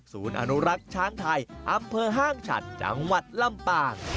อนุรักษ์ช้างไทยอำเภอห้างฉัดจังหวัดลำปาง